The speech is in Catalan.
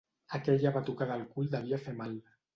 Aquella batucada al cul devia fer mal.